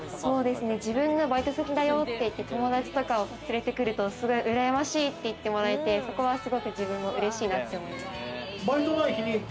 自分のバイト先だよって言って友達とかを連れてくると、うらやましいって言ってくれて、それは嬉しいなって思います。